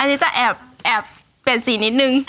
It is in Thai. อันนี้จะแอบเปลี่ยนสีนิดนึง